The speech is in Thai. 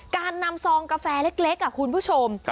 การนำซองกาแฟเล็กคุณผู้ชม